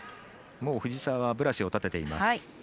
もう藤澤はブラシを立てています。